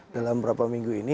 dalam beberapa minggu ini